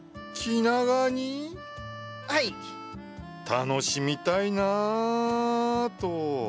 楽しみたいなと。